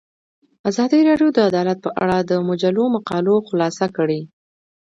ازادي راډیو د عدالت په اړه د مجلو مقالو خلاصه کړې.